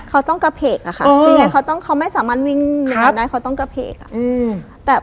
เขาต้องกระเพกอะค่ะยังไงเขาไม่สามารถวิ่งอย่างนั้นได้เขาต้องกระเพกอะ